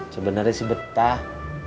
sebenarnya sih betah